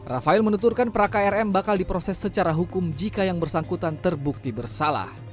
rafael menuturkan prak rm bakal diproses secara hukum jika yang bersangkutan terbukti bersalah